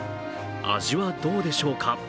味はどうでしょうか。